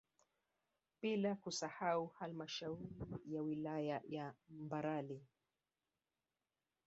Bila kusahau halmashauri ya wilaya ya Mbarali